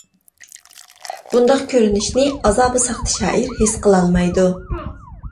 بۇنداق كۆرۈنۈشنى ئازابى ساختا شائىر ھېس قىلالمايدۇ.